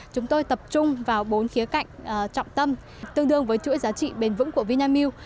chúng tôi tập trung vào bốn khía cạnh trọng tâm tương đương với chuỗi giá trị bền vững của vinamilk